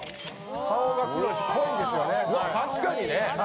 顔が黒いし、濃いんですよね。